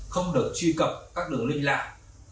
không được truy cập các đường linh lạc